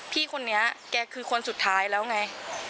พี่คนนี้แกคือคนสุดท้ายแล้วไง